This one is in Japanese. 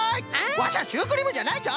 ワシャシュークリームじゃないぞ！